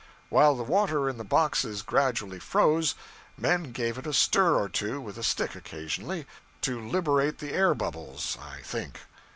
While the water in the boxes gradually froze, men gave it a stir or two with a stick occasionally to liberate the air bubbles, I think.